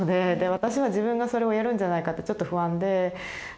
私は自分がそれをやるんじゃないかってちょっと不安で。